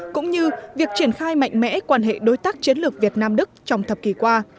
cũng như việc triển khai mạnh mẽ quan hệ đối tác chiến lược việt nam đức trong thập kỷ qua